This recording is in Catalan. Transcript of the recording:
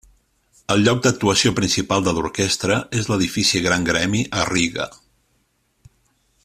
El lloc d'actuació principal de l'orquestra és l'edifici Gran Gremi a Riga.